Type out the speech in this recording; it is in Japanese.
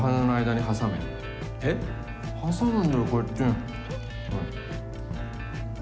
挟むんだよこうやって！